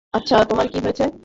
আচ্ছা, তোমার কী হয়েছিল?